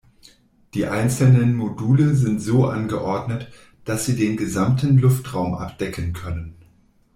Die einzelnen Module sind so angeordnet, dass sie den gesamten Luftraum abdecken können.